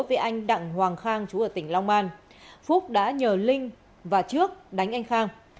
với anh đặng hoàng khang chú ở tỉnh long an phúc đã nhờ linh và trước đánh anh khang